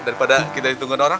daripada kita hitungin orang